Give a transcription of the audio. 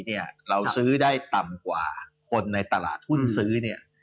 เราจะได้ซื้อต่ำกว่าคนในตลาดธุ่นซื้อ๑๕๒๐